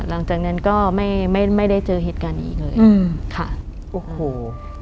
อ่าหลังจากนั้นก็ไม่ไม่ไม่ได้เจอฮิตกันอีกเลยอืมค่ะโอ้โหโอ้โห